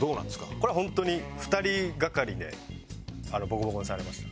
これはホントに２人がかりでボコボコにされました。